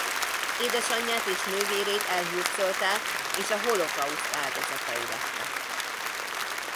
Édesanyját és nővérét elhurcolták és a holokauszt áldozatai lettek.